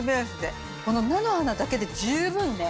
この菜の花だけで十分ね。